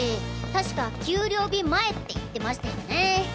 確か給料日前って言ってましたよね。